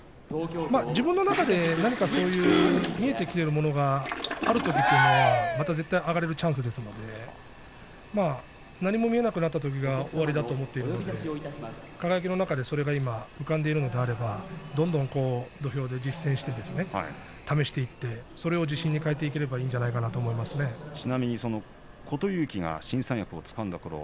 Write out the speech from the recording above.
自分の中で何か見えてきているものがあるときというのはまた絶対上がれるチャンスですので何も見えなくなったときが終わりだと思っているので輝の中でそれが今浮かんでいるのであれば、どんどん土俵で実践して試していってそれを自信に変えていければいいちなみに琴勇輝が新三役をつかんだころ